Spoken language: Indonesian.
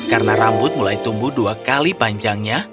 karena rambut mulai tumbuh dua kali panjangnya